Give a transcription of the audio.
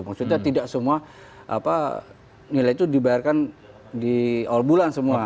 maksudnya tidak semua nilai itu dibayarkan di awal bulan semua